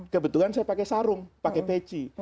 kebetulan saya pakai sarung pakai peci